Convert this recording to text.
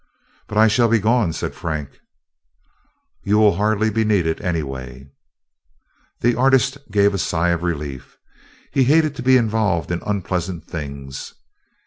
"But I shall be gone," said Frank. "You will hardly be needed, anyway." The artist gave a sigh of relief. He hated to be involved in unpleasant things.